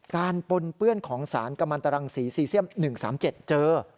การปนเปื้อนของสารกำมันตรังศรี๔เสี่ยม๑๓๗เจอ